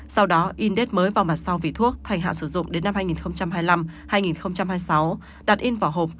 sau đó indes mới vào mặt sau vì thuốc thành hạn sử dụng đến năm hai nghìn hai mươi năm hai nghìn hai mươi sáu đặt in vào hộp